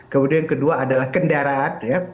kemudian yang kedua adalah kendaraan ya